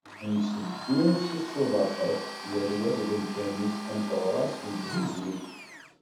Nteddu s yisuḍaf akk, yal wa deg umkan-is, am teɣrast n tzizwit.